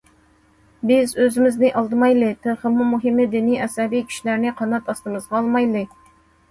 بىز ئۆزىمىزنى ئالدىمايلى، تېخىمۇ مۇھىمى دىنىي ئەسەبىي كۈچلەرنى قانات ئاستىمىزغا ئالمايلى.